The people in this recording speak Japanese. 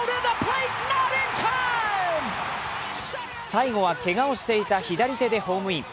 最後はけがをしていた左手でホームイン。